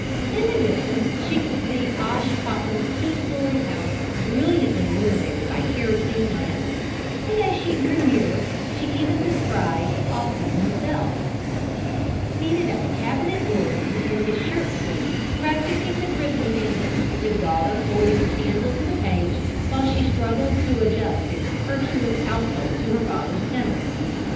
In the distance she could see Osh Popham's two story house brilliantly illuminated by kerosene lamps, and as she drew nearer she even descried Ossian himself, seated at the cabinet organ in his shirt sleeves, practicing the Christmas anthem, his daughter holding a candle to the page while she struggled to adjust a circuitous alto to her father's tenor.